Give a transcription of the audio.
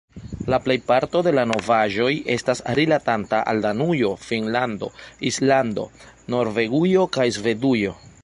La plejparto de la novaĵoj estas rilatanta al Danujo, Finnlando, Islando, Norvegujo kaj Svedujo.